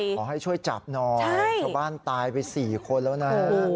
ขอให้ช่วยจับหน่อยชาวบ้านตายไป๔คนแล้วนะ